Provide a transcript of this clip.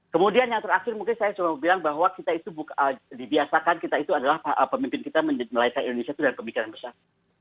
kemudian yang terakhir mungkin saya cuma mau bilang bahwa kita itu dibiasakan kita itu adalah pemimpin kita melayani indonesia itu dengan kebijakan besar